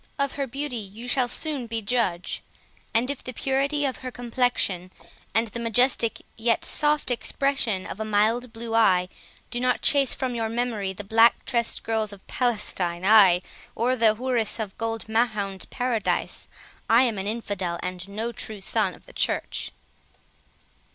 Of her beauty you shall soon be judge; and if the purity of her complexion, and the majestic, yet soft expression of a mild blue eye, do not chase from your memory the black tressed girls of Palestine, ay, or the houris of old Mahound's paradise, I am an infidel, and no true son of the church."